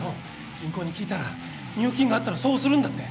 銀行に聞いたら入金があったらそうするんだって